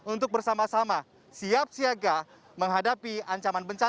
untuk bersama sama siap siaga menghadapi ancaman bencana